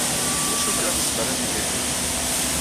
Ur cikkeɣ ad nezmer ad neg aya.